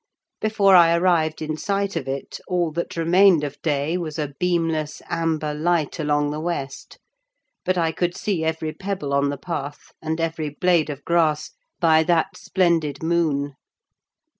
Before I arrived in sight of it, all that remained of day was a beamless amber light along the west: but I could see every pebble on the path, and every blade of grass, by that splendid moon.